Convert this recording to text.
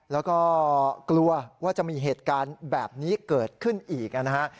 แล้วก็กลัวว่าจะมีเหตุการณ์แบบนี้เกิดขึ้นอีกนะฮะ